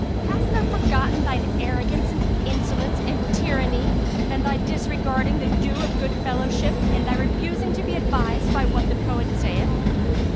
Hast thou forgotten thine arrogance and insolence and tyranny, and thy disregarding the due of goodfellowship and thy refusing to be advised by what the poet saith?